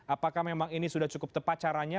apakah memang ini sudah cukup tepat caranya